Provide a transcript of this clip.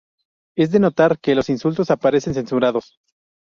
Es de notar que los insultos aparecen censurados.